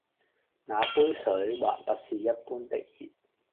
那杯水還不是一般的熱